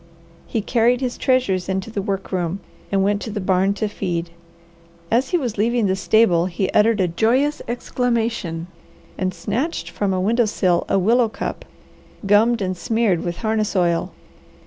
He carried his treasures into the work room, and went to the barn to feed. As he was leaving the stable he uttered a joyous exclamation and snatched from a window sill a willow cup, gummed and smeared with harness oil.